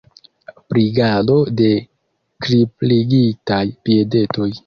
Brigado de kripligitaj piedetoj.